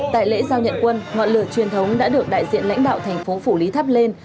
tại lễ giao nhận quân ngọn lửa truyền thống đã được đại diện lãnh đạo thành phố phủ lý thắp lên